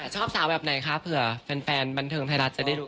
ชอบสาวแบบไหนคะเผื่อแฟนบันเทิงไทยรัฐจะได้รู้